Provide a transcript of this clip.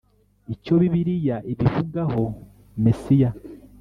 Icyo Bibiliya ibivugaho Mesiya